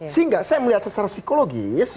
sehingga saya melihat secara psikologis